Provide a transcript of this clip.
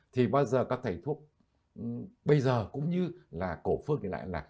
thì bao giờ các thầy thuốc bây giờ cũng như là cổ phương lại là